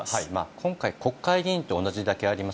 今回、国会議員と同じだけあります